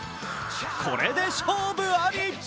これで勝負あり！